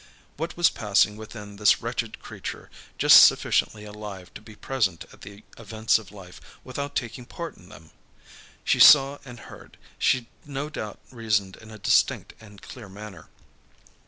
What was passing within this wretched creature, just sufficiently alive to be present at the events of life, without taking part in them? She saw and heard, she no doubt reasoned in a distinct and clear manner.